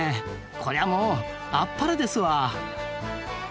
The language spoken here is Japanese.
こりゃもうあっぱれですわ。